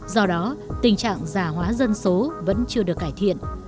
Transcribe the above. do đó tình trạng già hóa dân số vẫn chưa được cải thiện